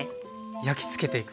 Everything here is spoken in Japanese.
焼きつけていく。